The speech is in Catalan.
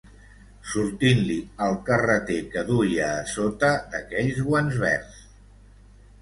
Sortint-li el carreter que duia a sota d'aquells guants verds